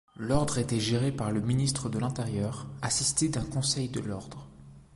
L'ordre était géré par le ministre de l'Intérieur, assisté d'un Conseil de l'ordre.